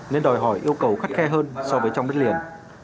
nên đòi hỏi yêu cầu khắt khe hơn so với trong đất liền